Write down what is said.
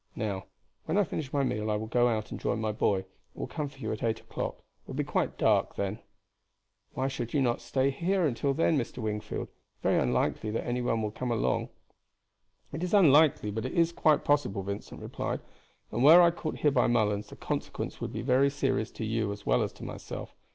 Now, when I finish my meal I will go out and join my boy, and will come for you at eight o'clock; it will be quite dark then." "Why should you not stay here till then, Mr. Wingfield? It is very unlikely that any one will come along." "It is unlikely, but it is quite possible," Vincent replied, "and were I caught here by Mullens, the consequence would be very serious to you as well as to myself.